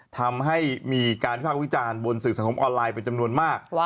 ทำให้มีการวิภาควิจารณ์บนสื่อสังคมออนไลน์เป็นจำนวนมาก